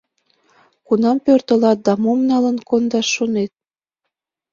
Кунам пӧртылат да мом налын кондаш шонет?